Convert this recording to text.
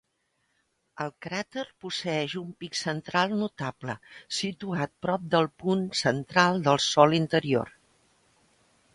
El cràter posseeix un pic central notable, situat prop del punt central del sòl interior.